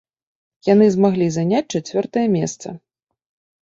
Яны змаглі заняць чацвёртае месца.